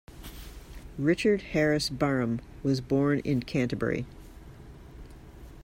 Richard Harris Barham was born in Canterbury.